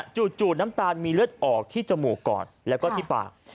จู่น้ำตาลมีเลือดออกที่จมูกก่อนแล้วก็ที่ปาก